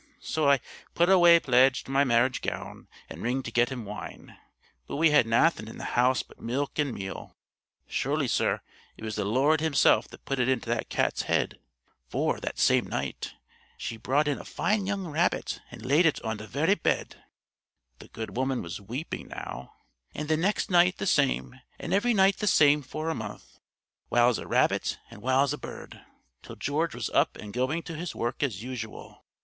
So I put awa (pledged) my marriage gown and ring to get him wine; but we had naething in the house but milk and meal. Surely, sir, it was the Lord Himself that put it into that cat's head; for, that same night, she brought in a fine young rabbit, and laid it on the verra bed;" the good woman was weeping now "and the next night the same, and every night the same, for a month, whiles a rabbit and whiles a bird, till George was up and going to his work as usual.